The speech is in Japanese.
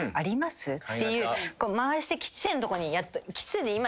回して吉瀬のとこに。